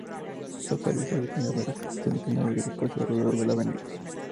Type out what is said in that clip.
La feria suele tener varios centenares de puestos a lo largo de la avenida.